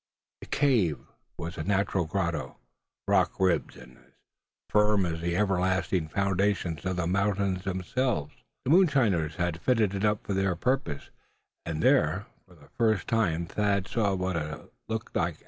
The cave was a natural grotto, rock ribbed, and as firm as the everlasting foundations of the mountains themselves. The moonshiners had fitted it up for their purpose; and there, for the first time Thad saw what a Still looked like.